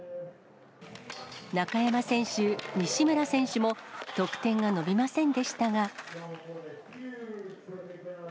中山選手、西村選手も、得点が伸びませんでしたが。